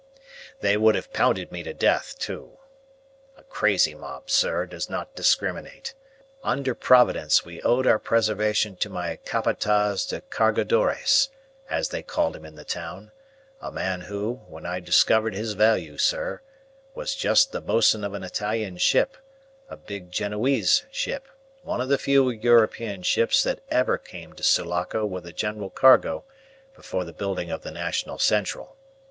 They would have pounded me to death, too. A crazy mob, sir, does not discriminate. Under providence we owed our preservation to my Capataz de Cargadores, as they called him in the town, a man who, when I discovered his value, sir, was just the bos'n of an Italian ship, a big Genoese ship, one of the few European ships that ever came to Sulaco with a general cargo before the building of the National Central.